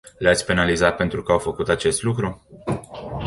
Le-ați penalizat pentru că au făcut acest lucru?